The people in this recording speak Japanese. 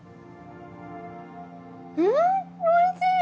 んんおいしい！